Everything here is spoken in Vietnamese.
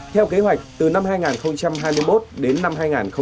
theo kế hoạch từ năm hai nghìn hai mươi một đến năm hai nghìn hai mươi năm